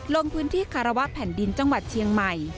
ลงพื้นที่คารวะแผ่นดินจังหวัดเชียงใหม่